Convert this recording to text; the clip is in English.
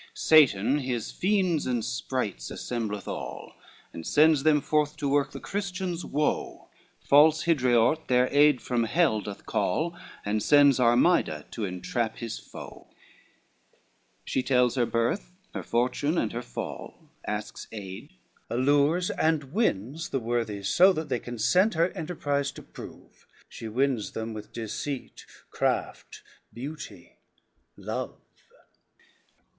Satan his fiends and spirits assembleth all, And sends them forth to work the Christians woe, False Hidraort their aid from hell doth call, And sends Armida to entrap his foe: She tells her birth, her fortune, and her fall, Asks aid, allures and wins the worthies so That they consent her enterprise to prove; She wins them with deceit, craft, beauty, love.